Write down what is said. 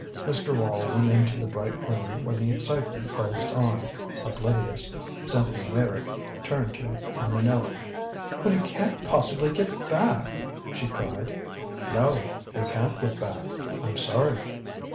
Mr. Wall went into the bright room where the excitement buzzed on, oblivious. Cynthia Meyrick turned to Minot. "But he can't possibly get back " she cried. "No. He can't get back. I'm sorry."